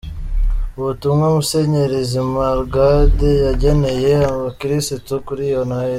Ubutumwa Musenyeri Simaragde yageneye abakirisitu kuri iyi Noheli